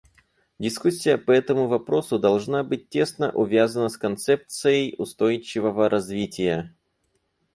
Дискуссия по этому вопросу должна быть тесно увязана с концепцией устойчивого развития.